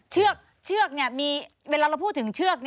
เชือกมีเวลาเราพูดถึงเชือก